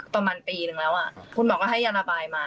ประมาณปีนึงแล้วคุณหมอก็ให้ยาระบายมา